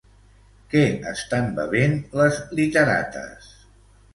Què estan bevent les literates?